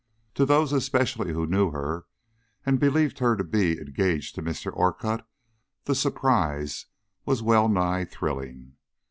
To those especially who knew her and believed her to be engaged to Mr. Orcutt the surprise was wellnigh thrilling.